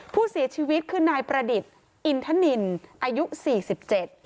ผู้เสียชีวิตคือนายประดิษฐ์อินทนินอายุสี่สิบเจ็ด